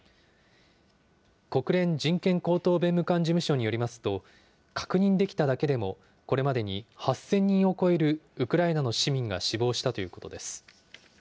国連人権高等弁務官事務所によりますと、確認できただけでもこれまでに８０００人を超えるウクライナの市民が死亡したということです。